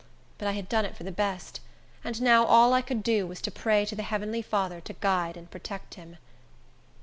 But I had done it for the best, and now all I could do was to pray to the heavenly Father to guide and protect him.